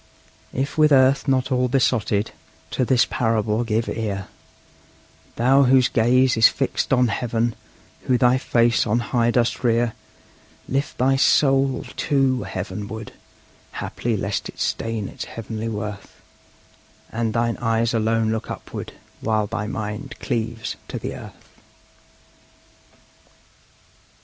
If with earth not all besotted, to this parable give ear, Thou whose gaze is fixed on heaven, who thy face on high dost rear: Lift thy soul, too, heavenward; haply lest it stain its heavenly worth, And thine eyes alone look upward, while thy mind cleaves to the earth!